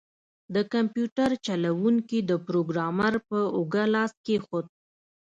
د کمپیوټر جوړونکي د پروګرامر په اوږه لاس کیښود